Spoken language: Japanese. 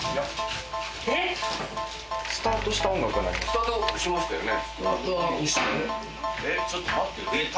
・スタート押しましたよね。